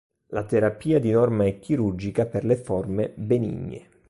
La terapia di norma è chirurgica per le forme benigne.